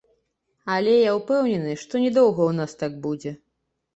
Але я ўпэўнены, што не доўга ў нас так будзе.